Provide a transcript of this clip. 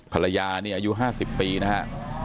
ภรรยานี่อายุ๕๐ปีนะฮะ